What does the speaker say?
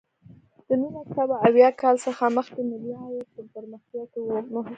د نولس سوه اویا کال څخه مخکې ملي عاید په پرمختیا کې مهم و.